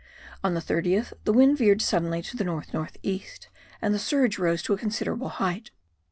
On the 30th the wind veered suddenly to north north east and the surge rose to a considerable height.